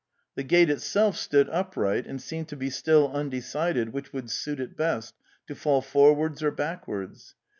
'The gate itself stood upright and seemed to be still undecided which would suit it best —to fall forwards or backwards.